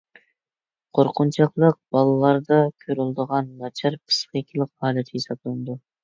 قورقۇنچاقلىق بالىلاردا كۆرۈلىدىغان ناچار پىسخىكىلىق ھالەت ھېسابلىنىدۇ.